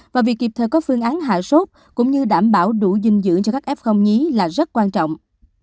và việc kịp thời có phương án hạ sốt cũng như đảm bảo đủ dinh dưỡng cho các f không nhí là rất quan trọng